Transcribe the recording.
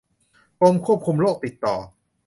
กรมควบคุมโรคติดต่อ